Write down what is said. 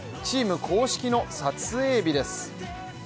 チーム公式の撮影日です。